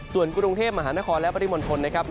ส่วนกรุงเทพมหานครและปริมณฑลนะครับ